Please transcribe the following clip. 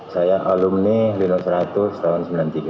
saya alumni lima ratus tahun seribu sembilan ratus sembilan puluh tiga